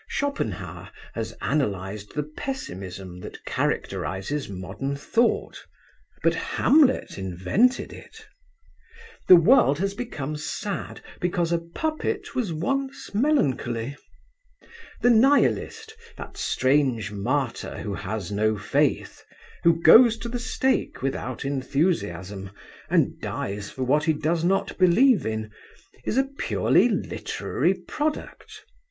Schopenhauer has analysed the pessimism that characterises modern thought, but Hamlet invented it. The world has become sad because a puppet was once melancholy. The Nihilist, that strange martyr who has no faith, who goes to the stake without enthusiasm, and dies for what he does not believe in, is a purely literary product.